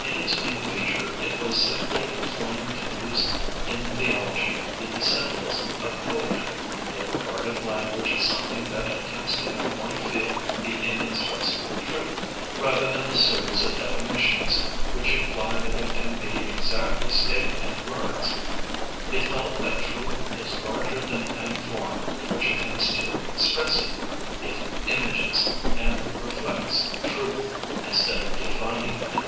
In its main feature it was simply a claim to use in theology the symbolism of poetry; it regarded language as something that attempts to make one feel the inexpressible truth, rather than a series of definitions which imply that it can be exactly stated in words; it held that truth is larger than any form which attempts to express it; it images and reflects truth instead of defining it.